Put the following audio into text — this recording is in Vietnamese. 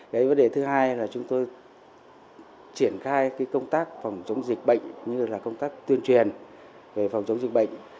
cái vấn đề thứ hai là chúng tôi triển khai công tác phòng chống dịch bệnh như là công tác tuyên truyền về phòng chống dịch bệnh